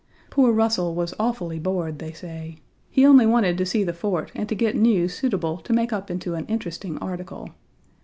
Poor Russell was awfully bored, they say. He only wanted to see the fort and to get news suitable to make up into an interesting article.